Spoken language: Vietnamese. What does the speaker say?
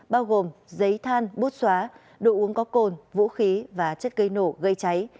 bao gồm giấy than bút xóa đồ uống có cồn vũ khí và chất gây nổ gây cháy